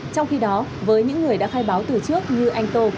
trong khi đó với những người đã khai báo từ trước như anh tô